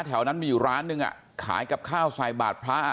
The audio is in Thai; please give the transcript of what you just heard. แถวนั้นมีร้านหนึ่งอ่ะขายกับข้าวใส่บาทพระอ่ะ